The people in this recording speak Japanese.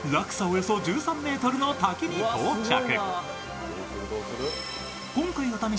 およそ１３ｍの滝に到着。